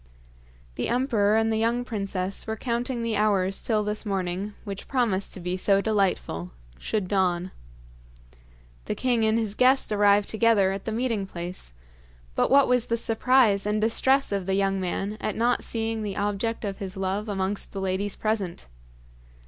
The emperor and the young princess were counting the hours till this morning, which promised to be so delightful, should dawn. The king and his guest arrived together at the meeting place, but what was the surprise and distress of the young man at not seeing the object of his love amongst the ladies present.